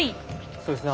そうですね